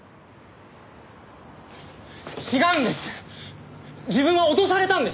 違うんです！